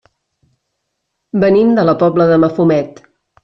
Venim de la Pobla de Mafumet.